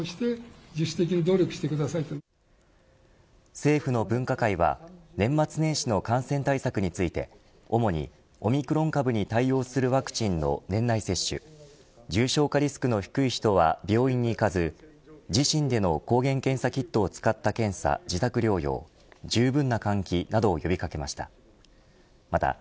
政府の分科会は年末年始の感染対策について主にオミクロン株に対応するワクチンの年内接種重症化リスクの低い人は病院に行かず自身での抗原検査キットを使った検査、自宅療養ん。